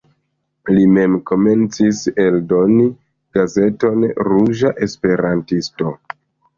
Li mem komencis eldoni gazeton "Ruĝa Esperantisto".